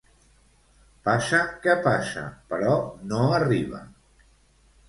Passa que passa, però no arriba.